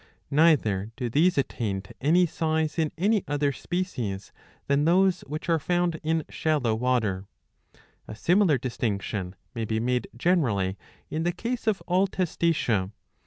Neither do these attain to any size in any other species than those which are found in shallow water.*' A similar distinction may be made generally in the case of all Testacea.